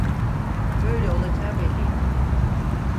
Böyle olacağı belliydi.